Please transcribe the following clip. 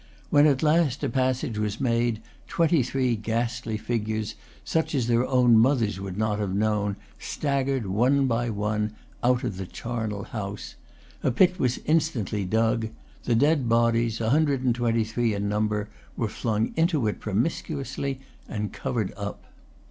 When at length a passage was made, twenty three ghastly figures, such as their own mothers would not have known, staggered one by one out of the charnel house. A pit was instantly dug. The dead bodies, a hundred and twenty three in number, were flung into it promiscuously and covered up.